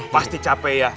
pasti capek ya